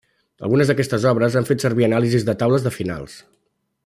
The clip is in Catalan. Algunes d'aquestes obres han fet servir anàlisis de taules de finals.